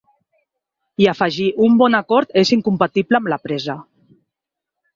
I afegí: Un bon acord és incompatible amb la pressa.